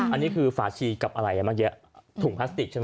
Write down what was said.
อันนี้คือฝาชีกับอะไรเมื่อกี้ถุงพลาสติกใช่ไหม